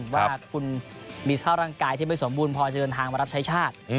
ว่าคุณมีสภาพร่างกายที่ไม่สมบูรณ์พอจะเดินทางมารับใช้ชาติ